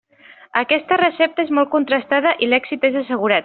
Aquesta recepta és molt contrastada i l'èxit és assegurat.